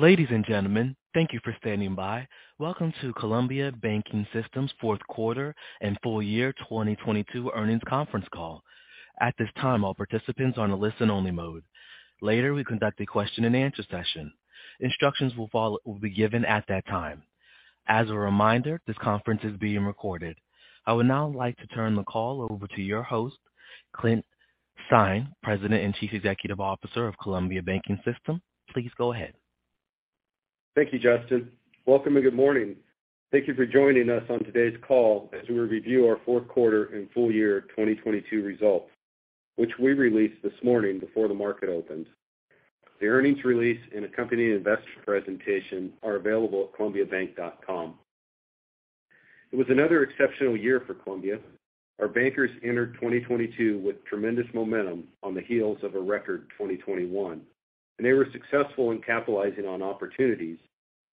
Ladies and gentlemen, thank you for standing by. Welcome to Columbia Banking System's fourth quarter and full year 2022 earnings conference call. At this time, all participants are on a listen only mode. Later, we conduct a question and answer session. Instructions will be given at that time. As a reminder, this conference is being recorded. I would now like to turn the call over to your host, Clint Stein, President and Chief Executive Officer of Columbia Banking System. Please go ahead. Thank you, Justin. Welcome and good morning. Thank you for joining us on today's call as we review our fourth quarter and full year 2022 results, which we released this morning before the market opened. The earnings release and accompanying investor presentation are available at columbiabank.com. It was another exceptional year for Columbia. Our bankers entered 2022 with tremendous momentum on the heels of a record 2021. They were successful in capitalizing on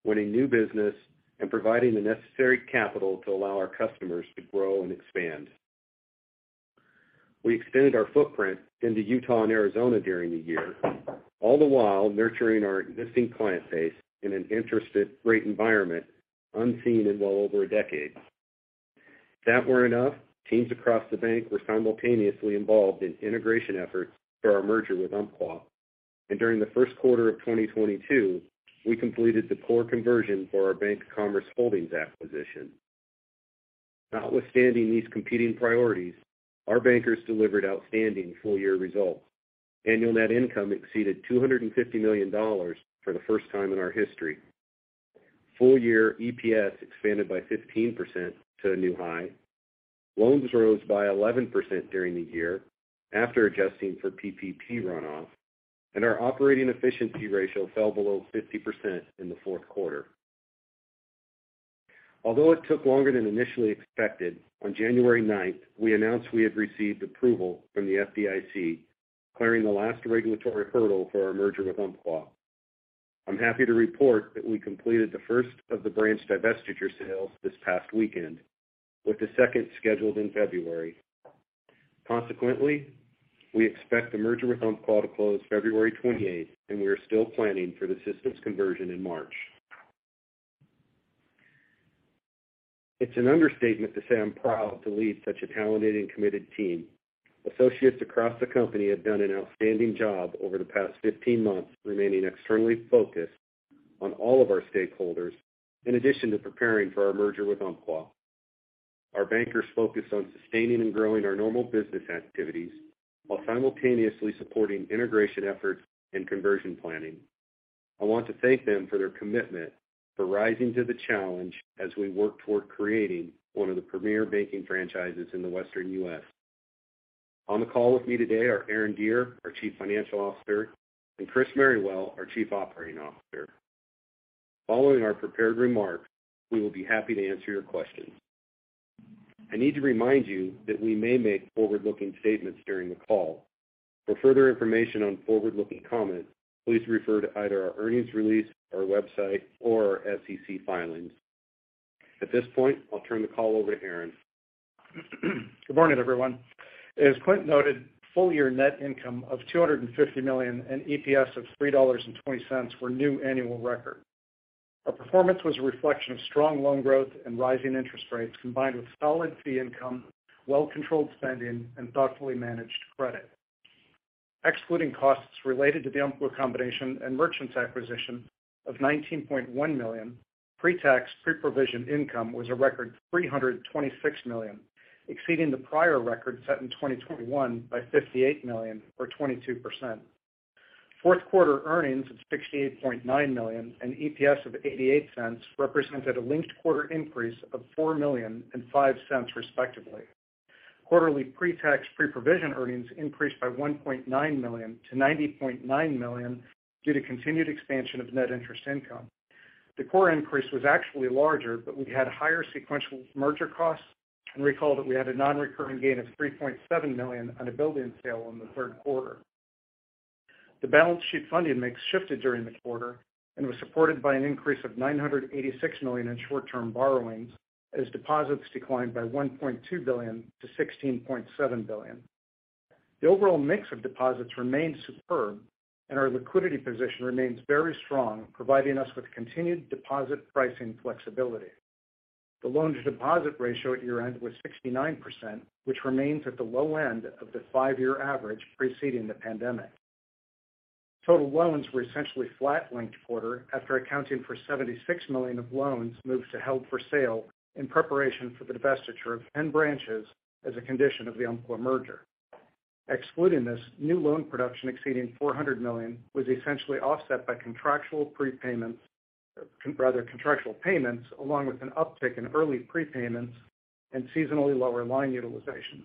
opportunities, winning new business, and providing the necessary capital to allow our customers to grow and expand. We expanded our footprint into Utah and Arizona during the year, all the while nurturing our existing client base in an interest rate environment unseen in well over a decade. If that weren't enough, teams across the bank were simultaneously involved in integration efforts for our merger with Umpqua. During the first quarter of 2022, we completed the core conversion for our Bank of Commerce Holdings acquisition. Notwithstanding these competing priorities, our bankers delivered outstanding full year results. Annual net income exceeded $250 million for the first time in our history. Full year EPS expanded by 15% to a new high. Loans rose by 11% during the year after adjusting for PPP runoff, and our operating efficiency ratio fell below 50% in the fourth quarter. Although it took longer than initially expected, on January 9th, we announced we had received approval from the FDIC, clearing the last regulatory hurdle for our merger with Umpqua. I'm happy to report that we completed the first of the branch divestiture sales this past weekend, with the second scheduled in February. Consequently, we expect the merger with Umpqua to close February 28th, and we are still planning for the systems conversion in March. It's an understatement to say I'm proud to lead such a talented and committed team. Associates across the company have done an outstanding job over the past 15 months, remaining externally focused on all of our stakeholders, in addition to preparing for our merger with Umpqua. Our bankers focus on sustaining and growing our normal business activities while simultaneously supporting integration efforts and conversion planning. I want to thank them for their commitment for rising to the challenge as we work toward creating one of the premier banking franchises in the Western U.S. On the call with me today are Aaron Deer, our Chief Financial Officer, and Chris Merrywell, our Chief Operating Officer. Following our prepared remarks, we will be happy to answer your questions. I need to remind you that we may make forward-looking statements during the call. For further information on forward-looking comments, please refer to either our earnings release, our website, or our SEC filings. At this point, I'll turn the call over to Aaron. Good morning, everyone. As Clint noted, full year net income of $250 million and EPS of $3.20 were new annual record. Our performance was a reflection of strong loan growth and rising interest rates, combined with solid fee income, well controlled spending, and thoughtfully managed credit. Excluding costs related to the Umpqua combination and Merchants acquisition of $19.1 million, pre-tax pre-provision income was a record $326 million, exceeding the prior record set in 2021 by $58 million or 22%. Fourth quarter earnings of $68.9 million and EPS of $0.88 represented a linked quarter increase of $4 million and $0.05, respectively. Quarterly pre-tax pre-provision earnings increased by $1.9 million to $90.9 million due to continued expansion of net interest income. The core increase was actually larger. We had higher sequential merger costs, and recall that we had a non-recurring gain of $3.7 million on a building sale in the third quarter. The balance sheet funding mix shifted during the quarter and was supported by an increase of $986 million in short-term borrowings as deposits declined by $1.2 billion to $16.7 billion. The overall mix of deposits remained superb and our liquidity position remains very strong, providing us with continued deposit pricing flexibility. The loan-to-deposit ratio at year-end was 69%, which remains at the low end of the 5-year average preceding the pandemic. Total loans were essentially flat linked quarter after accounting for $76 million of loans moved to held for sale in preparation for the divestiture of 10 branches as a condition of the Umpqua merger. Excluding this, new loan production exceeding $400 million was essentially offset by contractual prepayments, rather contractual payments, along with an uptick in early prepayments and seasonally lower line utilization.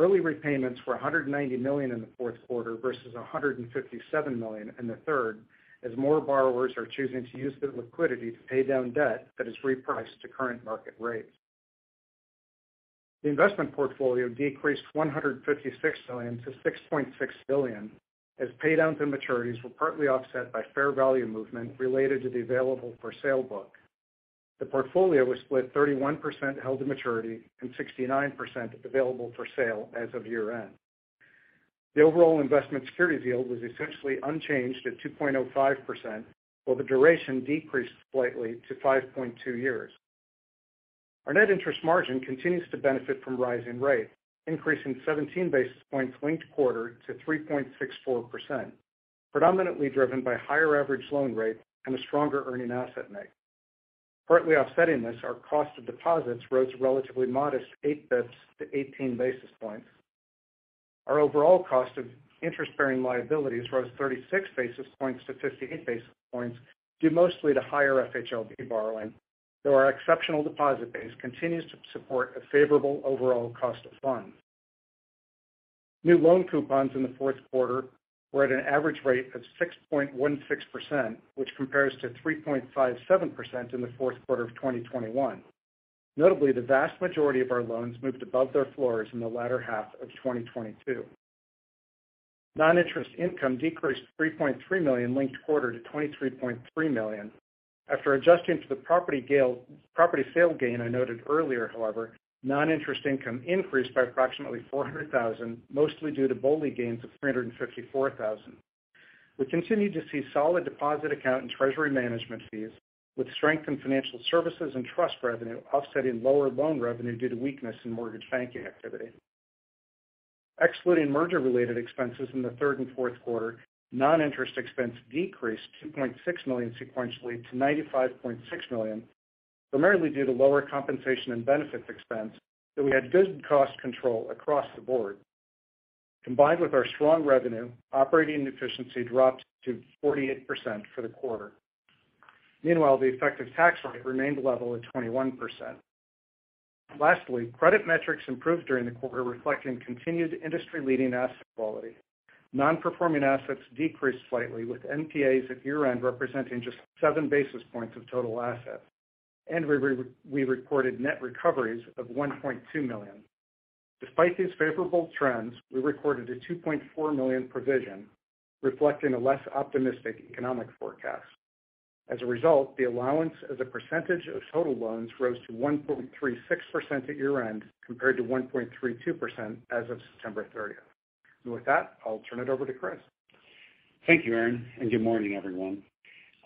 Early repayments were $190 million in the fourth quarter versus $157 million in the third, as more borrowers are choosing to use their liquidity to pay down debt that is repriced to current market rates. The investment portfolio decreased $156 million to $6.6 billion as pay downs and maturities were partly offset by fair value movement related to the available-for-sale book. The portfolio was split 31% held-to-maturity and 69% available-for-sale as of year-end. The overall investment securities yield was essentially unchanged at 2.05%, while the duration decreased slightly to 5.2 years. Our net interest margin continues to benefit from rising rates, increasing 17 basis points linked quarter to 3.64%, predominantly driven by higher average loan rates and a stronger earning asset mix. Partly offsetting this, our cost of deposits rose relatively modest 8 bps to 18 basis points. Our overall cost of interest-bearing liabilities rose 36 basis points to 58 basis points, due mostly to higher FHLB borrowing, though our exceptional deposit base continues to support a favorable overall cost of funds. New loan coupons in the fourth quarter were at an average rate of 6.16%, which compares to 3.57% in the fourth quarter of 2021. Notably, the vast majority of our loans moved above their floors in the latter half of 2022. Non-interest income decreased to $3.3 million linked quarter to $23.3 million. After adjusting to the property sale gain I noted earlier, however, non-interest income increased by approximately $400,000, mostly due to BOLI gains of $354,000. We continued to see solid deposit account and treasury management fees, with strength in financial services and trust revenue offsetting lower loan revenue due to weakness in mortgage banking activity. Excluding merger-related expenses in the third and fourth quarter, non-interest expense decreased to $2.6 million sequentially to $95.6 million, primarily due to lower compensation and benefits expense, though we had good cost control across the board. Combined with our strong revenue, operating efficiency dropped to 48% for the quarter. Meanwhile, the effective tax rate remained level at 21%. Lastly, credit metrics improved during the quarter, reflecting continued industry-leading asset quality. Non-Performing Assets decreased slightly, with NPAs at year-end representing just 7 basis points of total assets, and we recorded net recoveries of $1.2 million. Despite these favorable trends, we recorded a $2.4 million provision reflecting a less optimistic economic forecast. As a result, the allowance as a percentage of total loans rose to 1.36% at year-end, compared to 1.32% as of September 30th. With that, I'll turn it over to Chris. Thank you, Aaron. Good morning, everyone.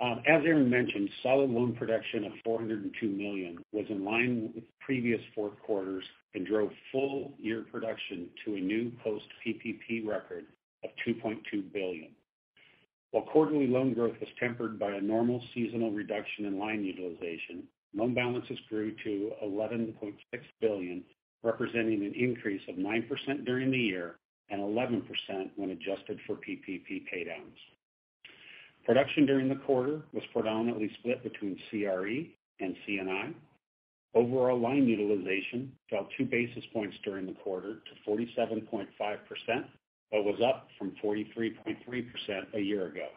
As Aaron mentioned, solid loan production of $402 million was in line with previous 4 quarters and drove full-year production to a new post-PPP record of $2.2 billion. While quarterly loan growth was tempered by a normal seasonal reduction in line utilization, loan balances grew to $11.6 billion, representing an increase of 9% during the year and 11% when adjusted for PPP paydowns. Production during the quarter was predominantly split between CRE and C&I. Overall line utilization fell 2 basis points during the quarter to 47.5% but was up from 43.3% a year ago.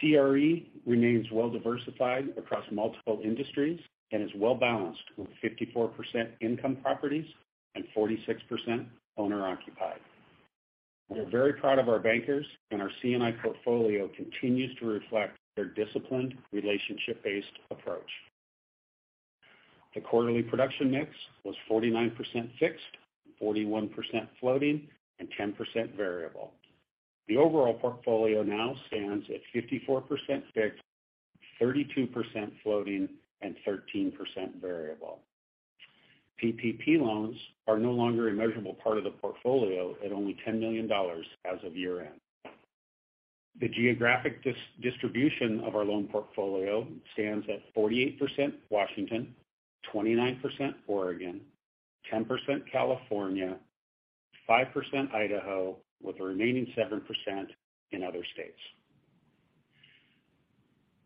CRE remains well-diversified across multiple industries and is well-balanced with 54% income properties and 46% owner-occupied. We're very proud of our bankers. Our C&I portfolio continues to reflect their disciplined relationship-based approach. The quarterly production mix was 49% fixed, 41% floating, and 10% variable. The overall portfolio now stands at 54% fixed, 32% floating, and 13% variable. PPP loans are no longer a measurable part of the portfolio at only $10 million as of year-end. The geographic distribution of our loan portfolio stands at 48% Washington, 29% Oregon, 10% California, 5% Idaho, with the remaining 7% in other states.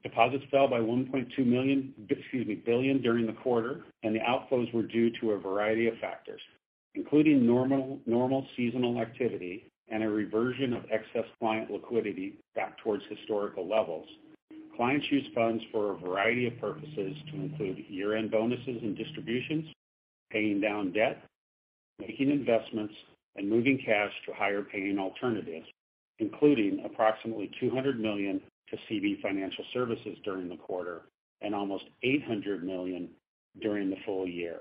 Deposits fell by $1.2 billion during the quarter, and the outflows were due to a variety of factors, including normal seasonal activity and a reversion of excess client liquidity back towards historical levels. Clients used funds for a variety of purposes to include year-end bonuses and distributions, paying down debt, making investments, and moving cash to higher-paying alternatives, including approximately $200 million to CB Financial Services during the quarter and almost $800 million during the full year,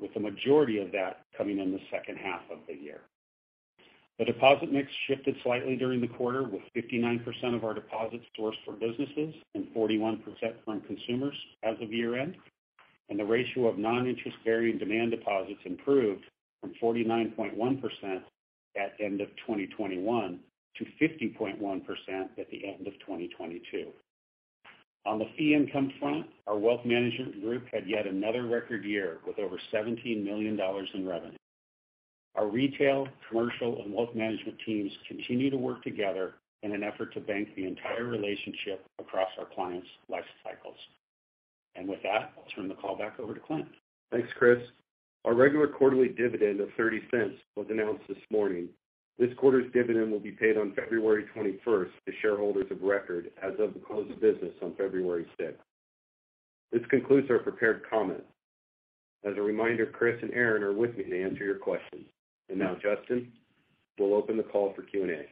with the majority of that coming in the H2 of the year. The deposit mix shifted slightly during the quarter, with 59% of our deposits sourced for businesses and 41% from consumers as of year-end. The ratio of non-interest-bearing demand deposits improved from 49.1% at end of 2021 to 50.1% at the end of 2022. On the fee income front, our wealth management group had yet another record year with over $17 million in revenue. Our retail, commercial, and wealth management teams continue to work together in an effort to bank the entire relationship across our clients' life cycles. With that, I'll turn the call back over to Clint. Thanks, Chris. Our regular quarterly dividend of $0.30 was announced this morning. This quarter's dividend will be paid on February 21st to shareholders of record as of the close of business on February 6th. This concludes our prepared comments. As a reminder, Chris and Aaron are with me to answer your questions. Now, Justin, we'll open the call for Q&A.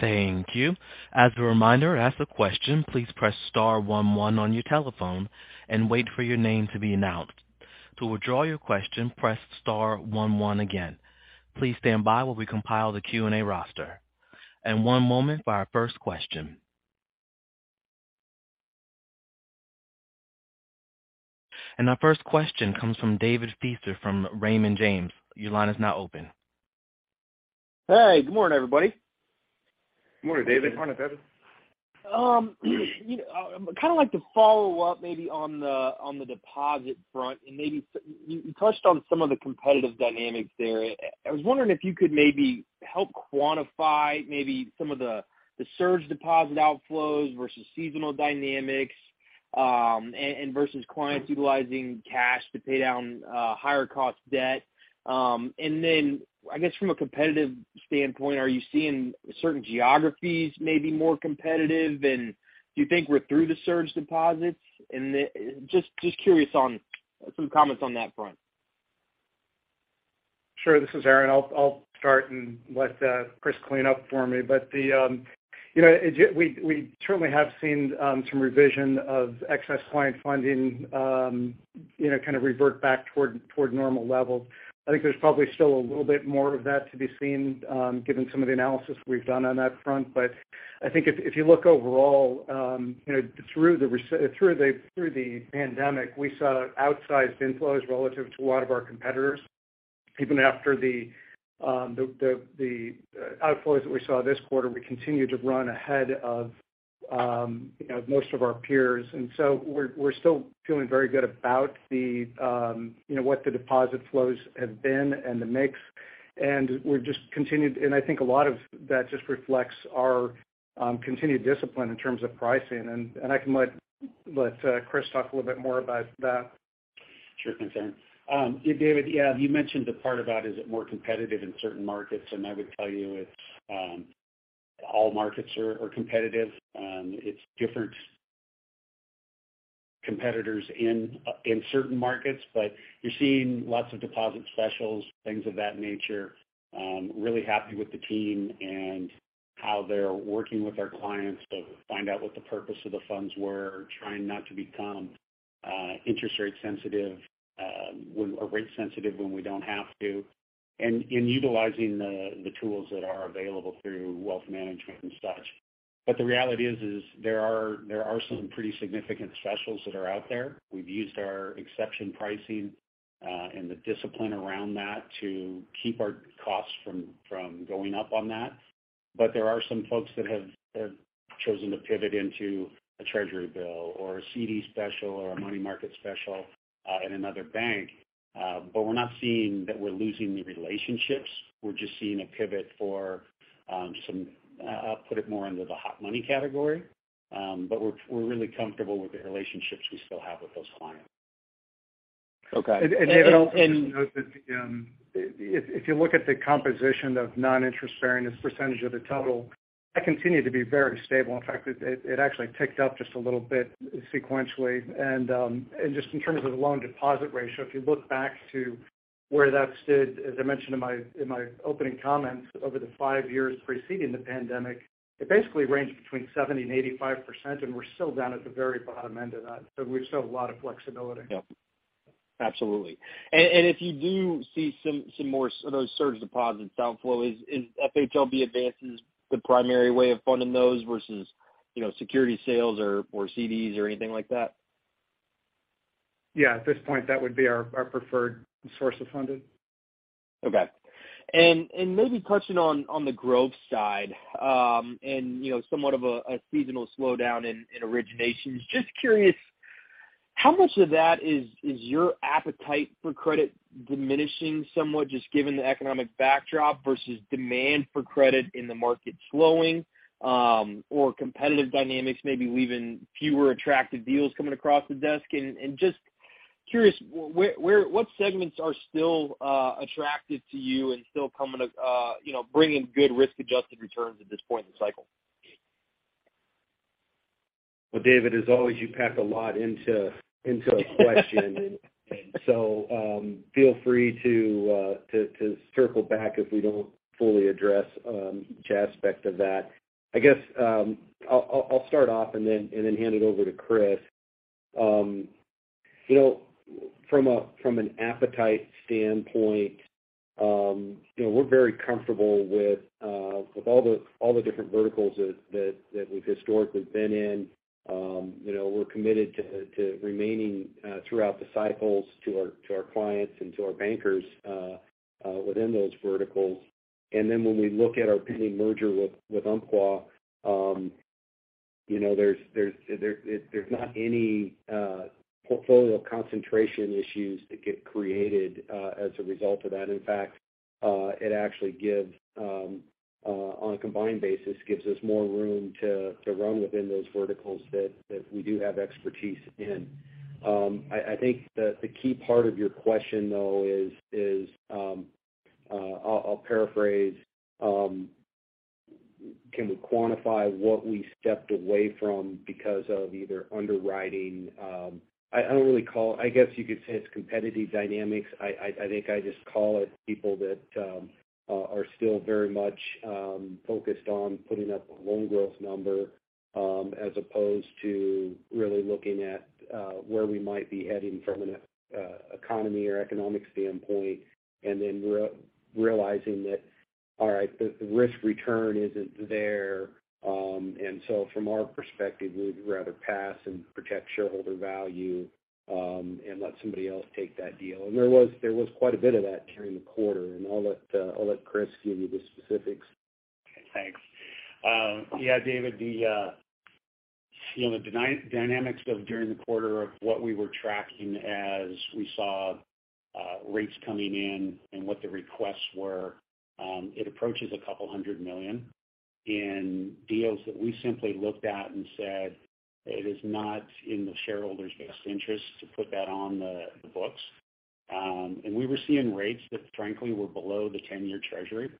Thank you. As a reminder, to ask a question, please press star one one on your telephone and wait for your name to be announced. To withdraw your question, press star one one again. Please stand by while we compile the Q&A roster. One moment for our first question. Our first question comes from David Feaster from Raymond James. Your line is now open. Hey, good morning, everybody. Good morning, David. Morning, David., I'd kind of like to follow up maybe on the, on the deposit front and maybe you touched on some of the competitive dynamics there. I was wondering if you could maybe help quantify maybe some of the surge deposit outflows versus seasonal dynamics, and versus clients utilizing cash to pay down higher cost debt. And then I guess from a competitive standpoint, are you seeing certain geographies maybe more competitive? Do you think we're through the surge deposits? Just curious on some comments on that front. Sure. This is Aaron. I'll start and let Chris clean up for me. the we certainly have seen some revision of excess client funding kind of revert back toward normal levels. I think there's probably still a little bit more of that to be seen, given some of the analysis we've done on that front. I think if you look overall through the pandemic, we saw outsized inflows relative to a lot of our competitors. Even after the outflows that we saw this quarter, we continued to run ahead of most of our peers. We're still feeling very good about the what the deposit flows have been and the mix. We've just continued, and I think a lot of that just reflects our continued discipline in terms of pricing. I can let Chris talk a little bit more about that. Sure thing, Aaron. David, yeah, you mentioned the part about is it more competitive in certain markets. I would tell you it's all markets are competitive. It's different competitors in certain markets, but you're seeing lots of deposit specials, things of that nature. Really happy with the team and how they're working with our clients to find out what the purpose of the funds were, trying not to become interest rate sensitive, or rate sensitive when we don't have to. In utilizing the tools that are available through wealth management and such. The reality is there are some pretty significant specials that are out there. We've used our exception pricing, and the discipline around that to keep our costs from going up on that. There are some folks that have chosen to pivot into a treasury bill or a CD special or a money market special at another bank. We're not seeing that we're losing the relationships. We're just seeing a pivot for some. I'll put it more under the hot money category. We're really comfortable with the relationships we still have with those clients. Okay., if you look at the composition of non-interest-bearing as percentage of the total, that continued to be very stable. In fact, it actually ticked up just a little bit sequentially. Just in terms of the loan deposit ratio, if you look back to where that stood, as I mentioned in my opening comments over the five years preceding the pandemic, it basically ranged between 70% and 85%, and we're still down at the very bottom end of that. We still have a lot of flexibility. Yeah. Absolutely. If you do see some more of those surge deposits outflow, is FHLB advances the primary way of funding those versus security sales or CDs or anything like that? Yeah. At this point, that would be our preferred source of funding. Okay. Maybe touching on the growth side, and somewhat of a seasonal slowdown in originations. Just curious, how much of that is your appetite for credit diminishing somewhat just given the economic backdrop versus demand for credit in the market slowing, or competitive dynamics maybe leaving fewer attractive deals coming across the desk? Just curious, what segments are still attractive to you and still coming bringing good risk-adjusted returns at this point in the cycle? David, as always, you pack a lot into a question. Feel free to circle back if we don't fully address each aspect of that. I guess, I'll start off and then hand it over to Chris., from an appetite standpoint we're very comfortable with all the different verticals that we've historically been in., we're committed to remaining throughout the cycles to our clients and to our bankers within those verticals. When we look at our pending merger with umpqua there's not any portfolio concentration issues that get created as a result of that. In fact, it actually gives, on a combined basis, gives us more room to run within those verticals that we do have expertise in. I think that the key part of your question, though, is, I'll paraphrase, can we quantify what we stepped away from because of either underwriting. I don't really I guess you could say it's competitive dynamics. I, I think I just call it people that, are still very much, focused on putting up a loan growth number. Opposed to really looking at, where we might be heading from an economy or economic standpoint, and then realizing that, all right, the risk return isn't there. From our perspective, we'd rather pass and protect shareholder value, and let somebody else take that deal. There was quite a bit of that during the quarter, and I'll let Chris give you the specifics. Okay, thanks. david the dynamics of during the quarter of what we were tracking as we saw rates coming in and what the requests were, it approaches $200 million in deals that we simply looked at and said, "It is not in the shareholders' best interest to put that on the books." We were seeing rates that frankly were below the 10-year Treasury.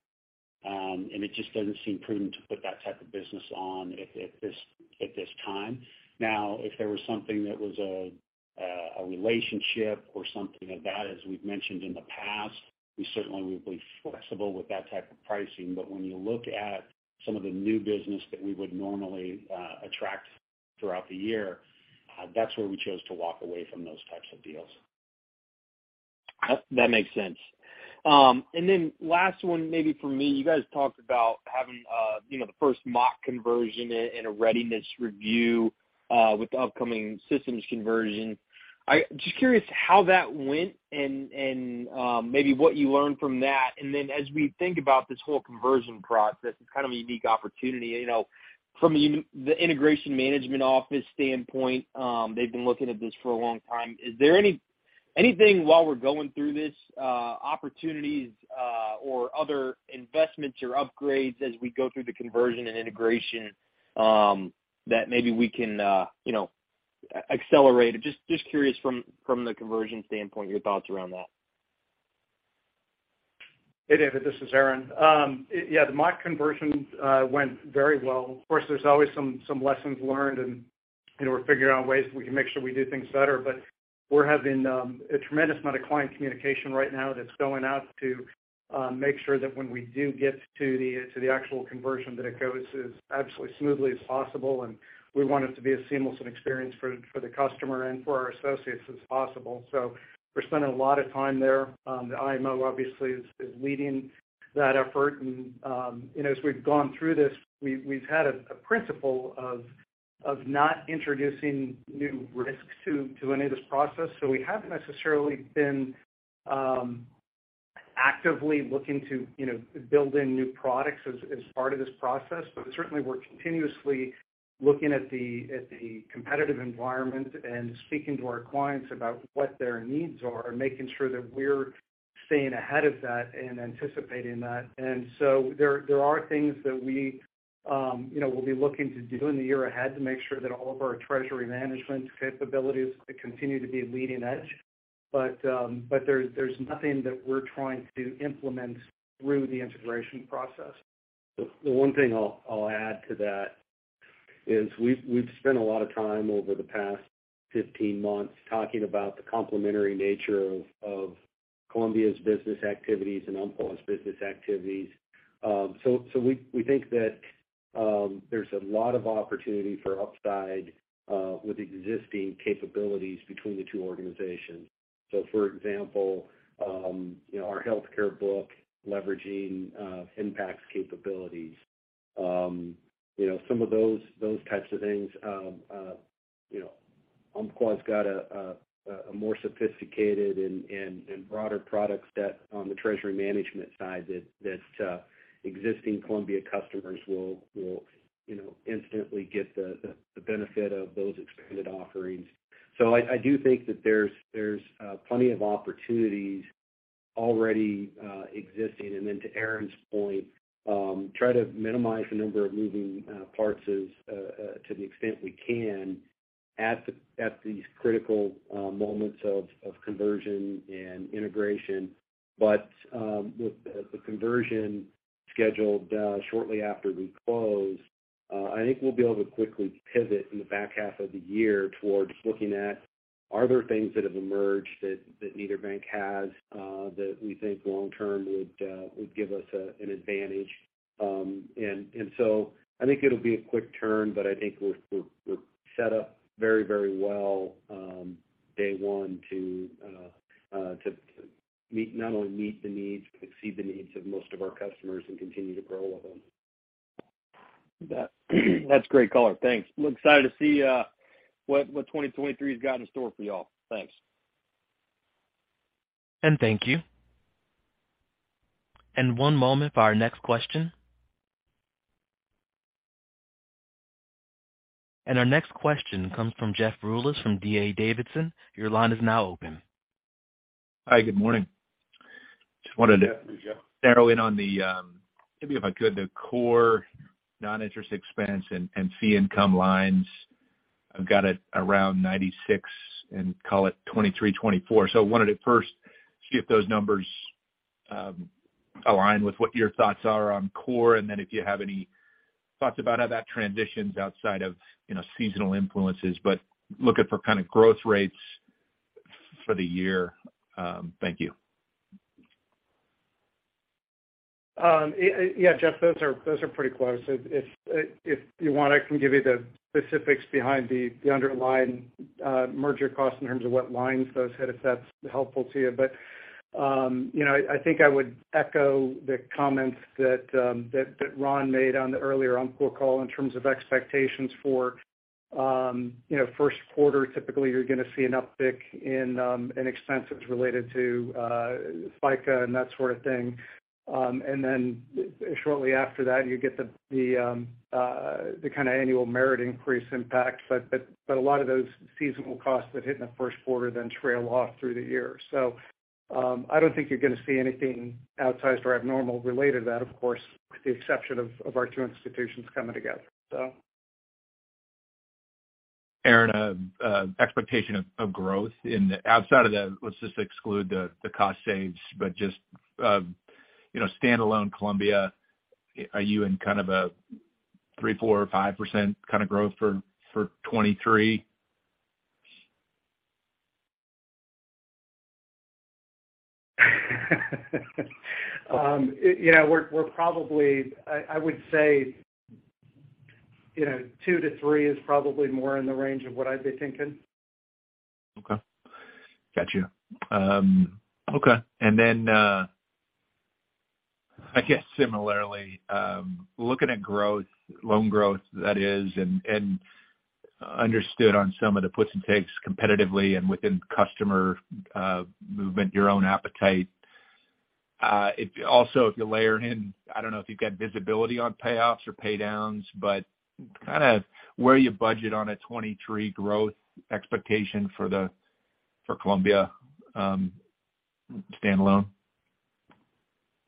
It just doesn't seem prudent to put that type of business on at this time. Now, if there was something that was a relationship or something like that, as we've mentioned in the past, we certainly would be flexible with that type of pricing. When you look at some of the new business that we would normally attract throughout the year, that's where we chose to walk away from those types of deals. That makes sense. Last one maybe from me. You guys talked about having the first mock conversion and a readiness review with the upcoming systems conversion. I'm just curious how that went and maybe what you learned from that. As we think about this whole conversion process, it's kind of a unique opportunity., from the integration management office standpoint, they've been looking at this for a long time. Is there anything while we're going through this, opportunities, or other investments or upgrades as we go through the conversion and integration, that maybe we can accelerate? Just curious from the conversion standpoint, your thoughts around that. Hey, David, this is Aaron. Yeah, the mock conversion went very well. Of course, there's always some lessons learned we're figuring out ways we can make sure we do things better. We're having a tremendous amount of client communication right now that's going out to make sure that when we do get to the actual conversion, that it goes as absolutely smoothly as possible, and we want it to be as seamless an experience for the customer and for our associates as possible. We're spending a lot of time there. The IMO obviously is leading that effort., as we've gone through this, we've had a principle of not introducing new risks to any of this process. We haven't necessarily, actively looking to build in new products as part of this process. Certainly we're continuously looking at the competitive environment and speaking to our clients about what their needs are and making sure that we're staying ahead of that and anticipating that. There are things that we will be looking to do in the year ahead to make sure that all of our treasury management capabilities continue to be leading edge. But there's nothing that we're trying to implement through the integration process. The one thing I'll add to that is we've spent a lot of time over the past 15 months talking about the complementary nature of Columbia's business activities and Umpqua's business activities. We think that there's a lot of opportunity for upside with existing capabilities between the two organizations. For example our healthcare book leveraging Umpqua's capabilities. , some of those types of things Umpqua's got a more sophisticated and broader product set on the treasury management side that existing Columbia customers will instantly get the benefit of those expanded offerings. I do think that there's plenty of opportunities already existing. To Aaron's point, try to minimize the number of moving parts as to the extent we can at these critical moments of conversion and integration. With the conversion scheduled shortly after we close, I think we'll be able to quickly pivot in the back half of the year towards looking at are there things that have emerged that neither bank has that we think long term would give us an advantage. I think it'll be a quick turn, but I think we're set up very, very well day one to meet not only meet the needs but exceed the needs of most of our customers and continue to grow with them. That's great color. Thanks. I'm excited to see what 2023's got in store for y'all. Thanks. Thank you. One moment for our next question. Our next question comes from Jeff Rulis from D.A. Davidson. Your line is now open. Hi, good morning. Good morning, Jeff.... narrow in on the, maybe if I could, the core non-interest expense and fee income lines. I've got it around $96 and call it $23, $24. I wanted to first see if those numbers align with what your thoughts are on core, and then if you have any thoughts about how that transitions outside of seasonal influences. Looking for kind of growth rates for the year. Thank you. Yeah, Jeff, those are pretty close. If you want, I can give you the specifics behind the underlying merger cost in terms of what lines those hit, if that's helpful to you., I think I would echo the comments that Ron made on the earlier on Umpqua call in terms of expectations for first quarter, typically, you're going to see an uptick in expenses related to FICA and that sort of thing. Then shortly after that, you get the kind of annual merit increase impact. A lot of those seasonal costs that hit in the first quarter then trail off through the year. I don't think you're going to see anything outsized or abnormal related to that, of course, with the exception of our two institutions coming together. Aaron, expectation of growth, let's just exclude the cost saves, but just standalone Columbia, are you in kind of a 3%, 4% or 5% kind of growth for 2023?, we're probably, I would say two to three is probably more in the range of what I'd be thinking. Okay. Got you. Okay. I guess similarly, looking at growth, loan growth that is, and understood on some of the puts and takes competitively and within customer movement, your own appetite. If you layer in, I don't know if you've got visibility on payoffs or pay downs, but kind of where you budget on a 23 growth expectation for Columbia standalone?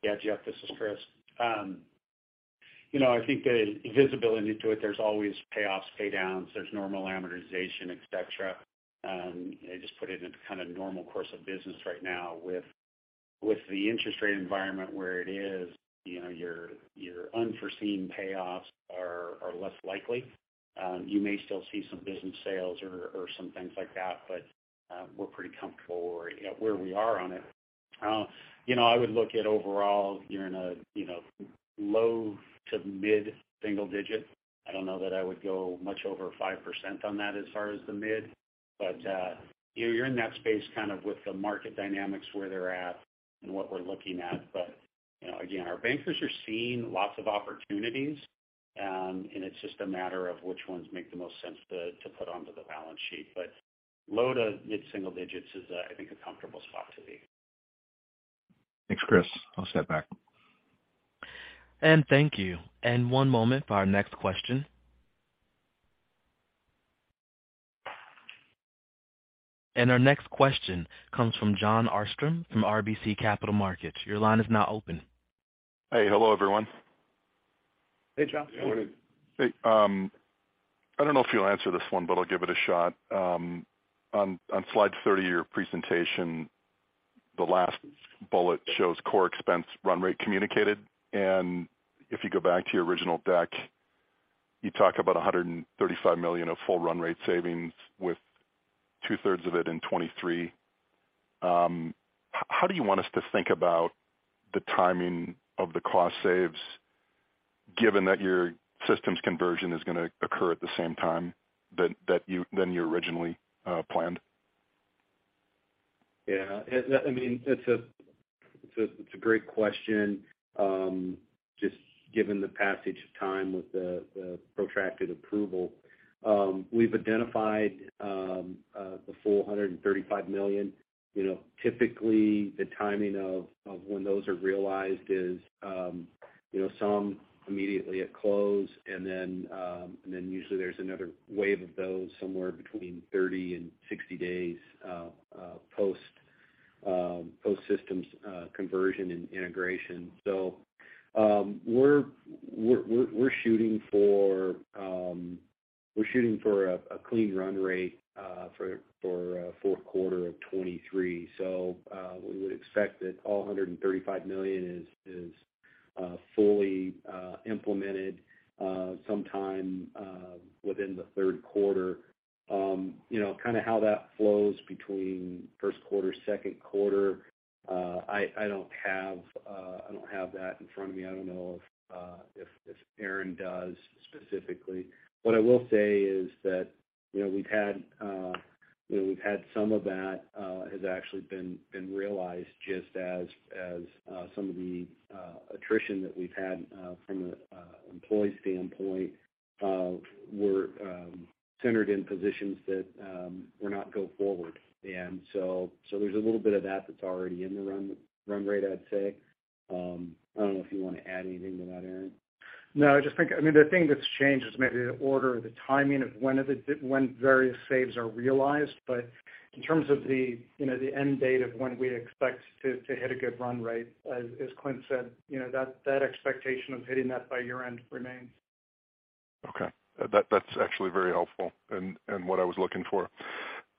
Yeah, Jeff, this is Chris., I think the visibility into it, there's always payoffs, pay downs, there's normal amortization, et cetera. I just put it in a kind of normal course of business right now. With the interest rate environment where it is your unforeseen payoffs are less likely. You may still see some business sales or some things like that, but we're pretty comfortable where we are on it. , I would look at overall, you're in a low to mid single digit. I don't know that I would go much over 5% on that as far as the mid., you're in that space kind of with the market dynamics where they're at and what we're looking at., again, our bankers are seeing lots of opportunities, and it's just a matter of which ones make the most sense to put onto the balance sheet. Low to mid single digits is, I think a comfortable spot to be. Thanks, Chris. I'll step back. Thank you. One moment for our next question. Our next question comes from Jon Arfstrom from RBC Capital Markets. Your line is now open. Hey, hello, everyone. Hey, John. Good morning. Hey, I don't know if you'll answer this one, but I'll give it a shot. On slide 30 of your presentation, the last bullet shows core expense run rate communicated. If you go back to your original deck, you talk about $135 million of full run rate savings with two-thirds of it in 2023. How do you want us to think about the timing of the cost saves given that your core conversion is going to occur at the same time than you originally planned? Yeah. I mean, it's a great question, just given the passage of time with the protracted approval. We've identified the full $135 million., typically, the timing of when those are realized is some immediately at close. Usually there's another wave of those somewhere between 30 and 60 days post systems conversion and integration. We're shooting for a clean run rate for fourth quarter of 2023. We would expect that all $135 million is fully implemented sometime within the third quarter., kind of how that flows between first quarter, second quarter, I don't have that in front of me. I don't know if Aaron does specifically. What I will say is that we've had we've had some of that has actually been realized just as some of the attrition that we've had from an employee standpoint of we're centered in positions that we're not go forward. There's a little bit of that that's already in the run rate, I'd say. I don't know if you want to add anything to that, Aaron. I just think, I mean, the thing that's changed is maybe the order or the timing of when various saves are realized. In terms of the the end date of when we expect to hit a good run rate, as Clint said that expectation of hitting that by year-end remains. Okay. That's actually very helpful and what I was looking for.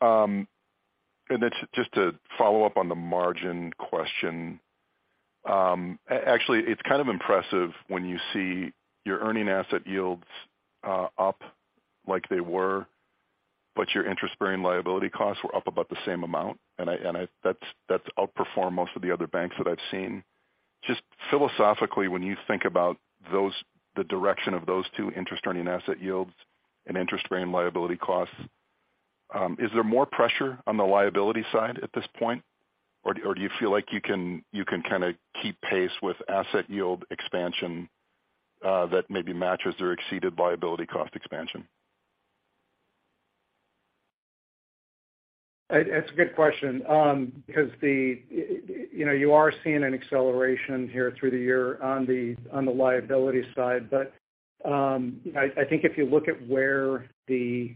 Then just to follow up on the margin question. Actually, it's kind of impressive when you see your earning asset yields up like they were. Your interest-bearing liability costs were up about the same amount, that's outperformed most of the other banks that I've seen. Just philosophically, when you think about the direction of those two interest-earning asset yields and interest-bearing liability costs, is there more pressure on the liability side at this point? Or do you feel like you can kind of keep pace with asset yield expansion that maybe matches or exceeded liability cost expansion? It's a good question, because, you are seeing an acceleration here through the year on the, on the liability side. I think if you look at where the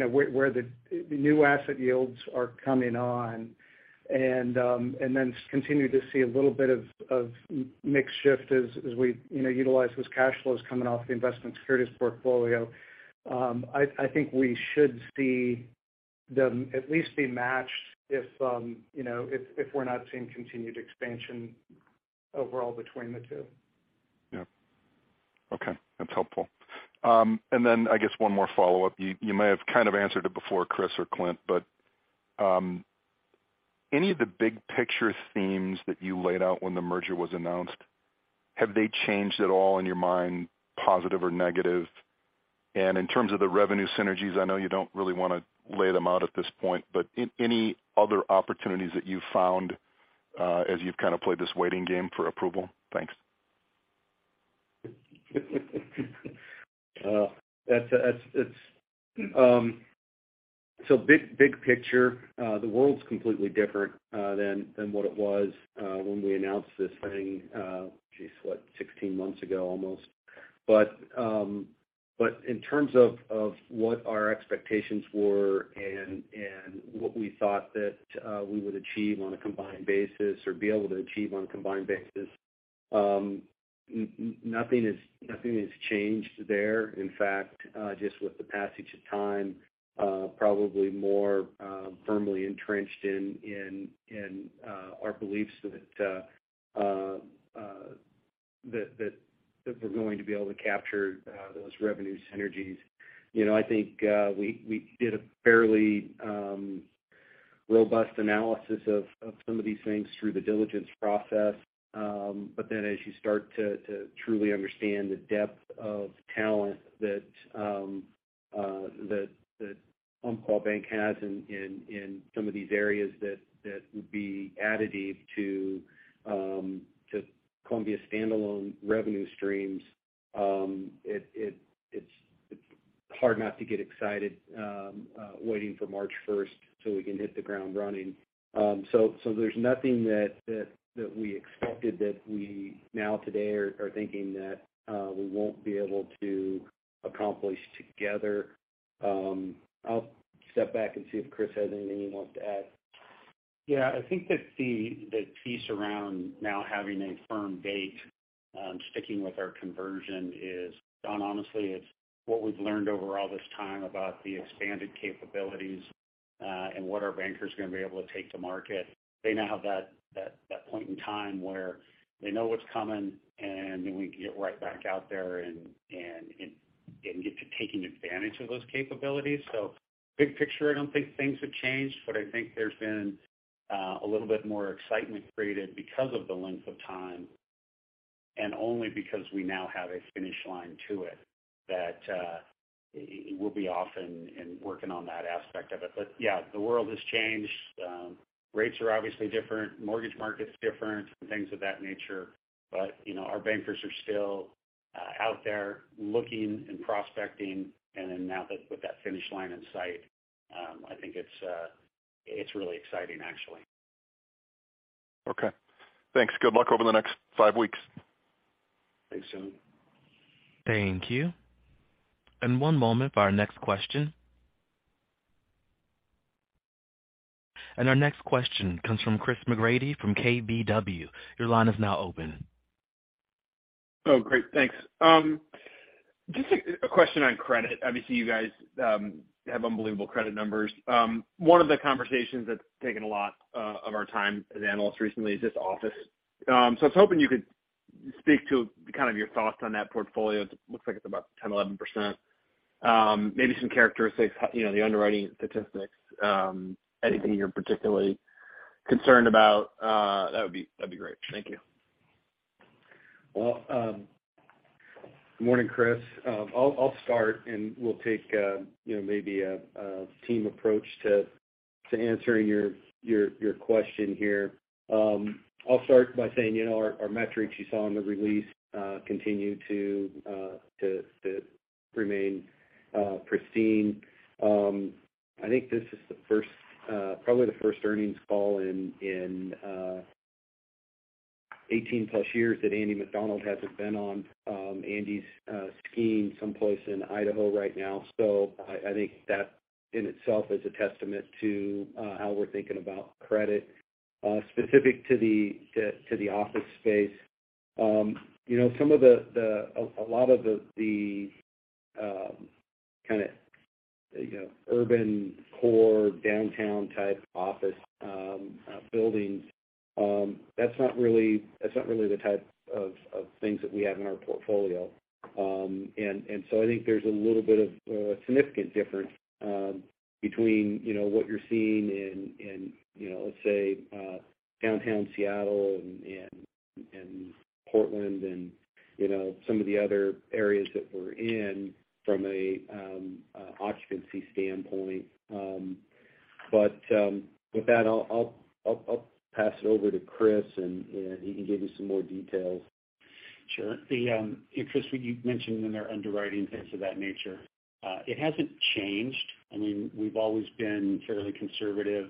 where the new asset yields are coming on and then continue to see a little bit of mix shift as we utilize those cash flows coming off the investment securities portfolio. I think we should see them at least be matched if if we're not seeing continued expansion overall between the two. Yeah. Okay. That's helpful. I guess one more follow-up. You, you may have kind of answered it before Chris or Clint, but any of the big picture themes that you laid out when the merger was announced, have they changed at all in your mind, positive or negative? In terms of the revenue synergies, I know you don't really wanna lay them out at this point, but any other opportunities that you found, as you've kind of played this waiting game for approval? Thanks. It's big picture, the world's completely different than what it was when we announced this thing, geez, what, 16 months ago almost. In terms of what our expectations were and what we thought that we would achieve on a combined basis or be able to achieve on a combined basis, nothing is, nothing has changed there. In fact, just with the passage of time, probably more firmly entrenched in our beliefs that we're going to be able to capture those revenue synergies., I think we did a fairly robust analysis of some of these things through the diligence process. As you start to truly understand the depth of talent that Umpqua Bank has in some of these areas that would be additive to Columbia standalone revenue streams, it's hard not to get excited waiting for March first so we can hit the ground running. There's nothing that we expected that we now today are thinking that we won't be able to accomplish together. I'll step back and see if Chris has anything he wants to add. Yeah. I think that the piece around now having a firm date on sticking with our conversion is, Don, honestly, it's what we've learned over all this time about the expanded capabilities, and what our bankers are gonna be able to take to market. They now have that point in time where they know what's coming and we can get right back out there and get to taking advantage of those capabilities. Big picture, I don't think things have changed, but I think there's been a little bit more excitement created because of the length of time, and only because we now have a finish line to it that we'll be off and working on that aspect of it. Yeah, the world has changed. Rates are obviously different. Mortgage market's different and things of that nature., our bankers are still out there looking and prospecting. now that with that finish line in sight, I think it's really exciting, actually. Okay. Thanks. Good luck over the next five weeks. Thanks, Don. Thank you. One moment for our next question. Our next question comes from Christopher McGratty from KBW. Your line is now open. Great. Thanks. Just a question on credit. Obviously, you guys have unbelievable credit numbers. One of the conversations that's taken a lot of our time as analysts recently is just office. I was hoping you could speak to kind of your thoughts on that portfolio. It looks like it's about 10-11%. Maybe some characteristics the underwriting statistics, anything you're particularly concerned about, that'd be great. Thank you. Well, good morning, Chris. I'll start, and we'll take maybe a team approach to answering your question here. I'll start by saying our metrics you saw in the release, continue to remain pristine. I think this is the first, probably the first earnings call in 18-plus years that Andy McDonald hasn't been on. Andy's skiing someplace in Idaho right now. I think that in itself is a testament to, how we're thinking about credit. Specific to the office space., some of the... A lot of the, kinda urban core downtown type office buildings. That's not really the type of things that we have in our portfolio. I think there's a little bit of significant, between what you're seeing in let's say, downtown Seattle and Portland and some of the other areas that we're in from an occupancy standpoint. With that, I'll pass it over to Chris and he can give you some more details. Sure. Chris, what you mentioned in our underwriting, things of that nature, it hasn't changed. I mean, we've always been fairly conservative,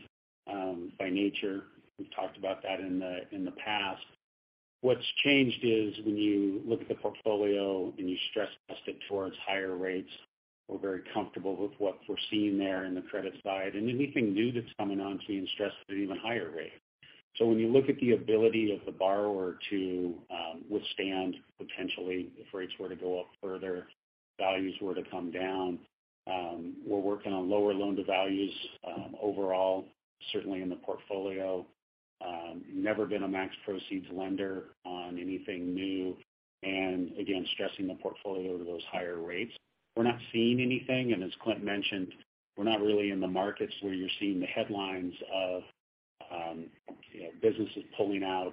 by nature. We've talked about that in the, in the past. What's changed is when you look at the portfolio and you stress test it towards higher rates, we're very comfortable with what we're seeing there in the credit side, and anything new that's coming onto being stressed at an even higher rate. When you look at the ability of the borrower to withstand potentially if rates were to go up further, values were to come down, we're working on lower loan devalues, overall, certainly in the portfolio. Never been a max proceeds lender on anything new. Again, stressing the portfolio to those higher rates. We're not seeing anything. As Clint mentioned, we're not really in the markets where you're seeing the headlines of businesses pulling out,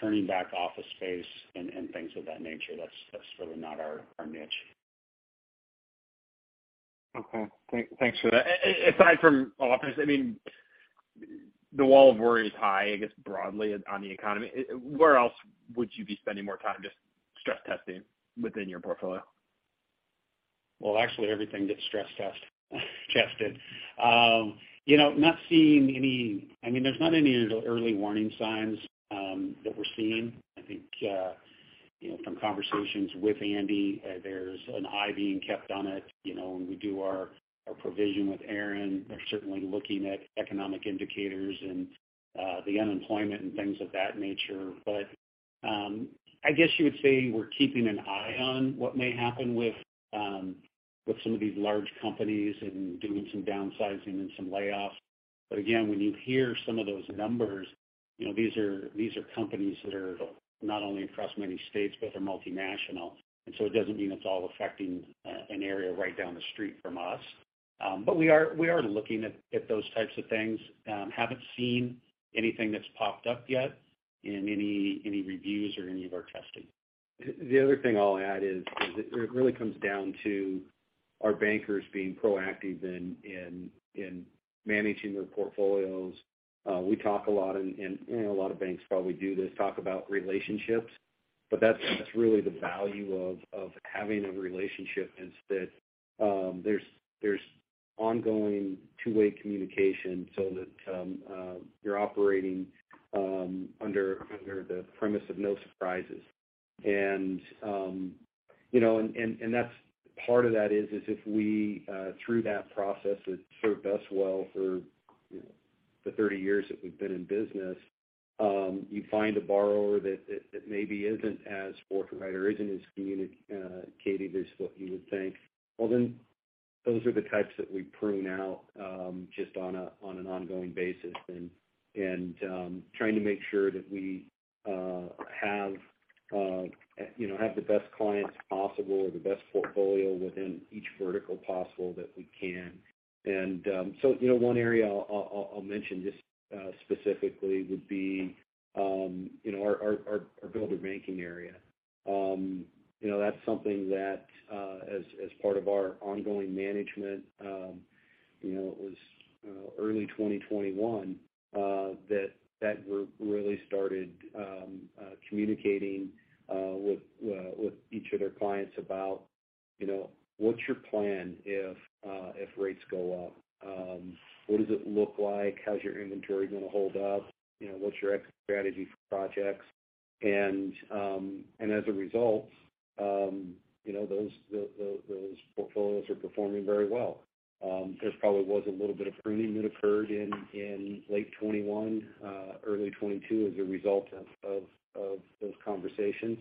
turning back office space and things of that nature. That's really not our niche. Okay. Thanks for that. Aside from office, I mean, the wall of worry is high, I guess, broadly on the economy. Where else would you be spending more time just stress testing within your portfolio? Well, actually everything gets stress tested., not seeing any... I mean, there's not any early warning signs that we're seeing. I think from conversations with Andy, there's an eye being kept on it., when we do our provision with Aaron, they're certainly looking at economic indicators and the unemployment and things of that nature. I guess you would say we're keeping an eye on what may happen with some of these large companies and doing some downsizing and some layoffs. Again, when you hear some of those numbers these are companies that are not only across many states, but they're multinational. So it doesn't mean it's all affecting an area right down the street from us. We are looking at those types of things. Haven't seen anything that's popped up yet in any reviews or any of our testing. The other thing I'll add is it really comes down to our bankers being proactive in managing their portfolios. We talk a lot, and, a lot of banks probably do this, talk about relationships, but that's really the value of having a relationship, is that there's ongoing two-way communication so that you're operating under the premise of no surprises., that's part of that is if we through that process that served us well for the 30 years that we've been in business, you find a borrower that maybe isn't as forthright or isn't as communicative as what you would think, well, then those are the types that we prune out just on an ongoing basis and trying to make sure that we have have the best clients possible or the best portfolio within each vertical possible that we can., one area I'll mention just specifically would be our builder banking area., that's something that as part of our ongoing management it was early 2021 that that group really started communicating with each of their clients about what's your plan if rates go up? What does it look like? How's your inventory gonna hold up?, what's your exit strategy for projects? As a result those portfolios are performing very well. There probably was a little bit of pruning that occurred in late 2021, early 2022 as a result of those conversations.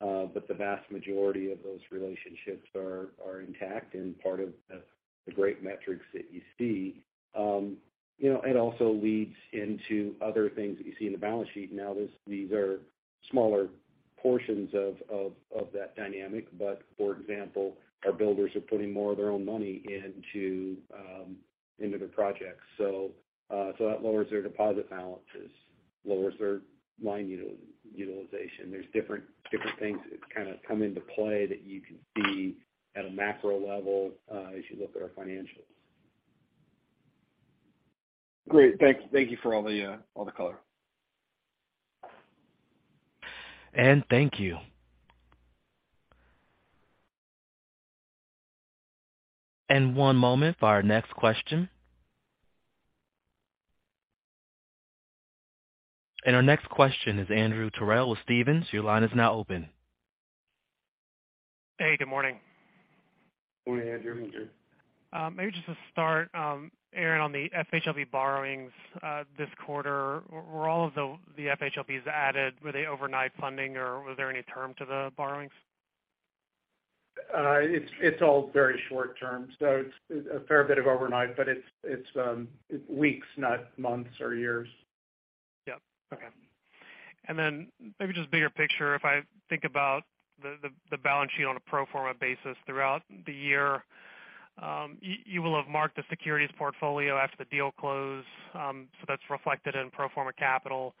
The vast majority of those relationships are intact and part of the great metrics that you see., it also leads into other things that you see in the balance sheet. Now, these are smaller portions of that dynamic. For example, our builders are putting more of their own money into their projects. That lowers their deposit balances, lowers their line utilization. There's different things that kind of come into play that you can see at a macro level, as you look at our financials. Great. Thank you for all the, all the color. Thank you. One moment for our next question. Our next question is Andrew Terrell with Stephens. Your line is now open. Hey, good morning. Morning, Andrew. Maybe just to start, Aaron, on the FHLB borrowings, this quarter, were all of the FHLBs added, were they overnight funding or was there any term to the borrowings? It's all very short term. So it's a fair bit of overnight, but it's weeks, not months or years. Yep. Okay. Maybe just bigger picture. If I think about the balance sheet on a pro forma basis throughout the year, you will have marked the securities portfolio after the deal closed, so that's reflected in pro forma capital.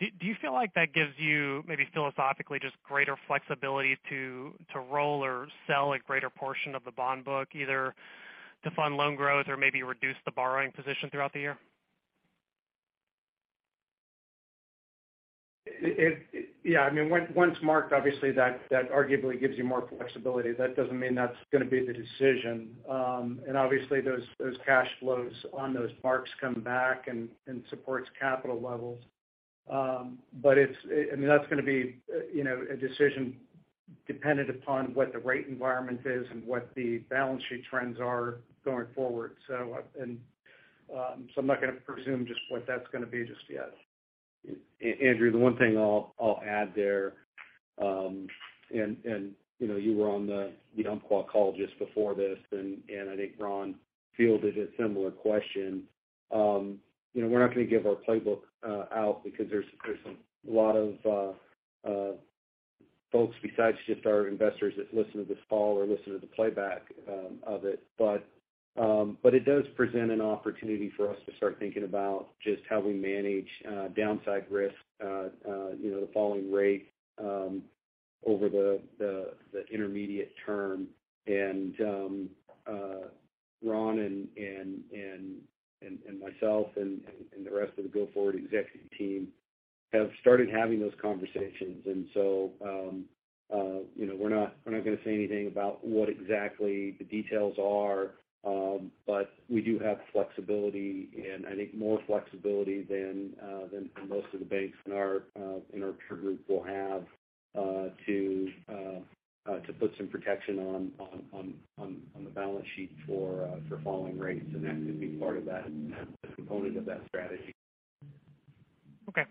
Do you feel like that gives you maybe philosophically just greater flexibility to roll or sell a greater portion of the bond book, either to fund loan growth or maybe reduce the borrowing position throughout the year? Yeah, I mean, once marked, obviously that arguably gives you more flexibility. That doesn't mean that's gonna be the decision. Obviously those cash flows on those marks come back and supports capital levels. But it's, I mean, that's gonna be a decision dependent upon what the rate environment is and what the balance sheet trends are going forward. I'm not gonna presume just what that's gonna be just yet. Andrew, the one thing I'll add there, and, you were on the Umpqua call just before this, and I think Ron fielded a similar question., we're not gonna give our playbook out because there's a lot of folks besides just our investors that listen to this call or listen to the playback of it. But it does present an opportunity for us to start thinking about just how we manage downside risk the following rate over the intermediate term. Ron and myself and the rest of the go-forward executive team have started having those conversations., we're not gonna say anything about what exactly the details are. We do have flexibility and I think more flexibility than most of the banks in our peer group will have to put some protection on the balance sheet for falling rates. That could be part of that component of that strategy. Okay.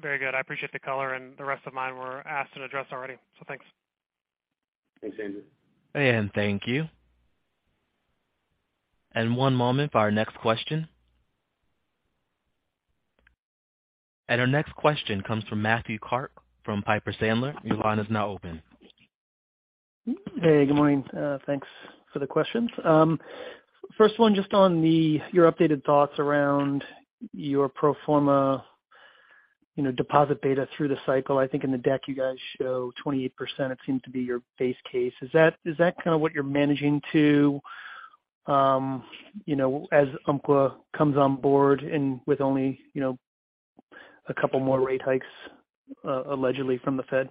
Very good. I appreciate the color. The rest of mine were asked and addressed already. Thanks. Thanks, Andrew. Thank you. One moment for our next question. Our next question comes from Matthew Clark from Piper Sandler. Your line is now open. Hey, good morning. Thanks for the questions. First one, just on your updated thoughts around your pro forma deposit beta through the cycle. I think in the deck you guys show 28%. It seemed to be your base case. Is that kind of what you're managing to as Umpqua comes on board and with only a couple more rate hikes, allegedly from the Fed?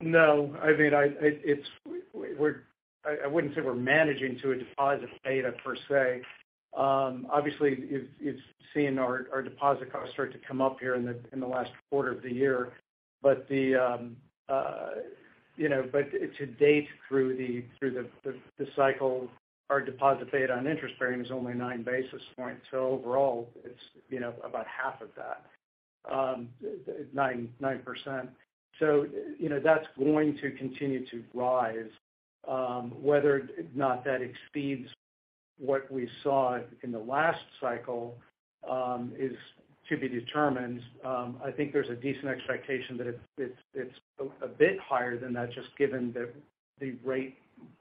No. I mean, I wouldn't say we're managing to a deposit beta per se. Obviously, you've seen our deposit costs start to come up here in the last quarter of the year., but to date through the cycle, our deposit paid on interest bearing is only 9 basis points. Overall it's about half of that, 9%. , that's going to continue to rise. Whether or not that exceeds what we saw in the last cycle, is to be determined. I think there's a decent expectation that it's a bit higher than that, just given the rate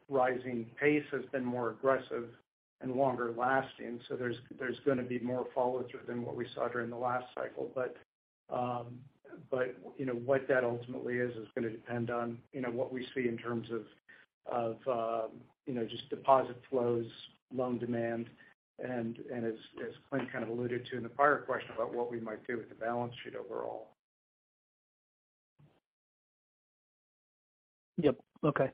rising pace has been more aggressive and longer lasting. There's gonna be more fallout than what we saw during the last cycle. , what that ultimately is gonna depend on what we see in terms of just deposit flows, loan demand, and as Clint kind of alluded to in the prior question about what we might do with the balance sheet overall. Yep. Okay.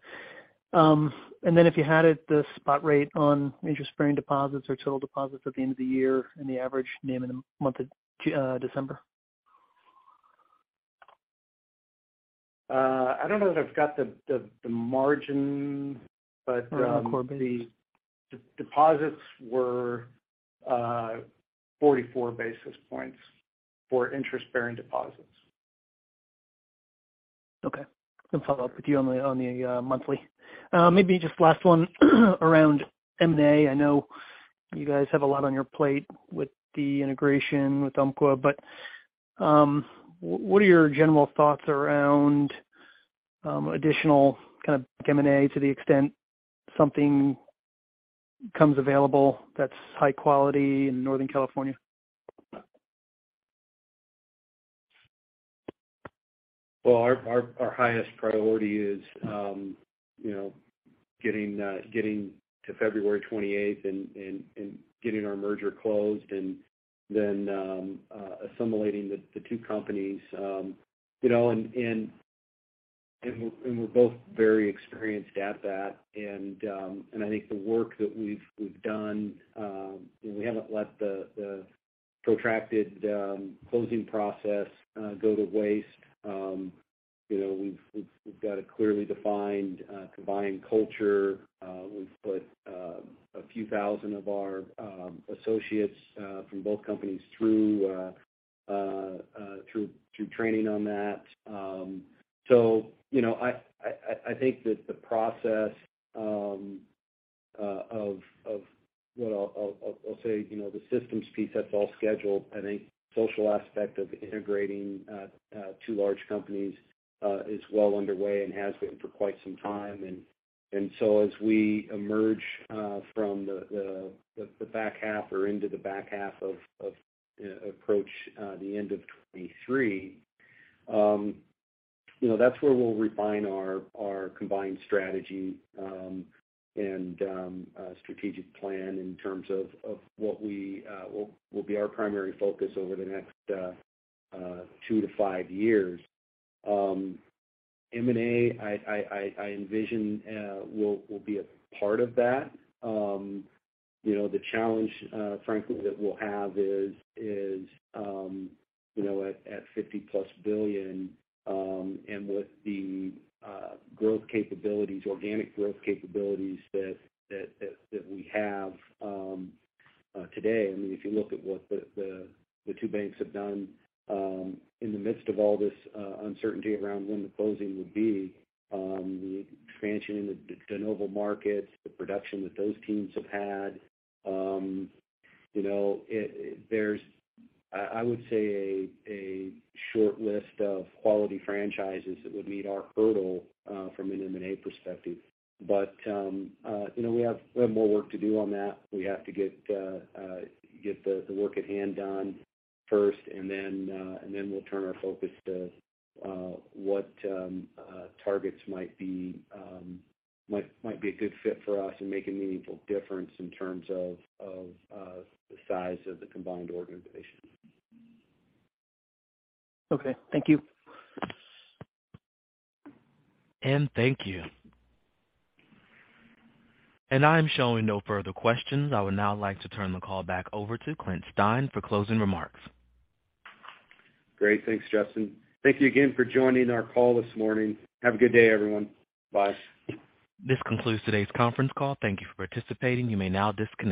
If you had it, the spot rate on interest-bearing deposits or total deposits at the end of the year and the average name of the month of December. I don't know that I've got the margin, but. The core base.... the deposits were 44 basis points for interest-bearing deposits. Okay. I'll follow up with you on the, on the monthly. Maybe just last one around M&A. I know you guys have a lot on your plate with the integration with Umpqua, but what are your general thoughts around additional kind of M&A to the extent something comes available that's high quality in Northern California? Well, our highest priority is getting to February 28th and getting our merger closed and then assimilating the two companies., and we're both very experienced at that. I think the work that we've done, we haven't let the protracted closing process go to waste. , we've got a clearly defined combined culture. We've put a few thousand of our associates from both companies through training on that., I think that the process of what I'll say the systems piece, that's all scheduled. I think social aspect of integrating, two large companies, is well underway and has been for quite some time. As we emerge, from the back half or into the back half of approach, the end of 2023 that's where we'll refine our combined strategy, and, strategic plan in terms of what we, will be our primary focus over the next, two to five years. M&A, I envision, will be a part of that., the challenge, frankly, that we'll have is at 50-plus billion, and with the growth capabilities, organic growth capabilities that we have today, I mean, if you look at what the two banks have done in the midst of all this uncertainty around when the closing would be, the expansion into the de novo markets, the production that those teams have had there's, I would say, a short list of quality franchises that would meet our hurdle from an M&A perspective., we have more work to do on that. We have to get the work at hand done first, and then we'll turn our focus to what targets might be a good fit for us and make a meaningful difference in terms of the size of the combined organization. Okay. Thank you. Thank you. I'm showing no further questions. I would now like to turn the call back over to Clint Stein for closing remarks. Great. Thanks, Justin. Thank you again for joining our call this morning. Have a good day, everyone. Bye. This concludes today's conference call. Thank you for participating. You may now disconnect.